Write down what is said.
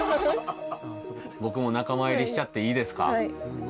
僕も仲間入りしちゃっていいですか？